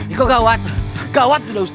ini kau gawat gawat sudah ustadz